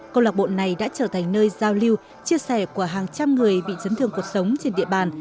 câu lạc bộ này đã trở thành nơi giao lưu chia sẻ của hàng trăm người bị chấn thương cuộc sống trên địa bàn